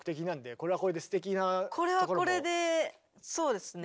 これはこれでそうですね。